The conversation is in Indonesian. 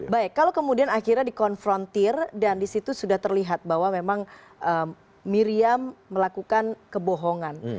baik kalau kemudian akhirnya dikonfrontir dan disitu sudah terlihat bahwa memang miriam melakukan kebohongan